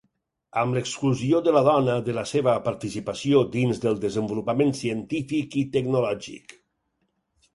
Amb l'exclusió de la dona de la seva participació dins del desenvolupament científic i tecnològic.